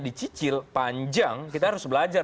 dicicil panjang kita harus belajar